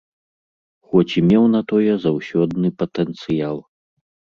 Хоць і меў на тое заўсёдны патэнцыял.